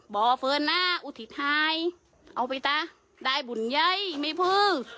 บ่อเฟิร์นหน้าอุทิศทายเอาไปต่อได้บุญไยมีผู้